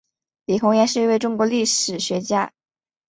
李洪岩是一位中国历史学家。